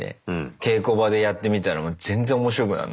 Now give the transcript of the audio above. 稽古場でやってみたら全然面白くなんなくて。